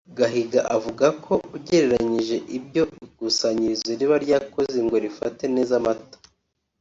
Gahiga avuga ko ugereranyije ibyo ikusanyirizo riba ryakoze ngo rifate neza amata